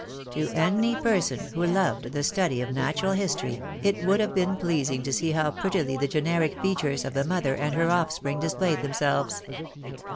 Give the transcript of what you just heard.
To any person who loved the study of natural history, it would have been pleasing to see how prettily the generic fea tures of the mother and her offspring displayed themselves.